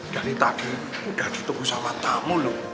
dari tadi gak tutup usaha tamu loh